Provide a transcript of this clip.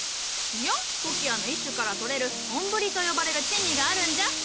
いやコキアの一種から採れるとんぶりと呼ばれる珍味があるんじゃ。